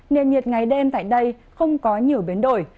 nền nhiệt ngày đêm tại đây không có nhiều biến đổi